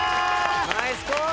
ナイスコース！